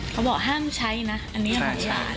เขาบอกห้ามใช้นะอันนี้ห้ามใช้